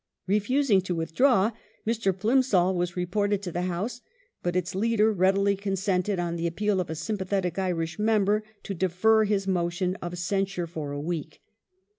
Refusing to withdraw, Mr. Plimsoll was reported to the House, but its leader readily consented, on the appeal of a sympathetic Irish member, to defer his motion of censure for a week.